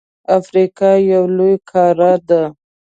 افریقا یو لوی قاره ده.